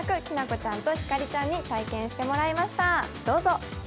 ちゃんとひかりちゃんに体験してもらいました。